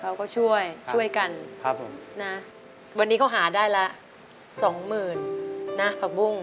เขาก็ช่วยช่วยกันครับผมนะวันนี้เขาหาได้ละสองหมื่นนะผักบุ้ง